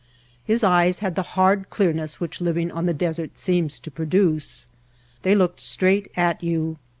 His eyes had the hard clearness which living on the desert seems to produce. They looked straight at you.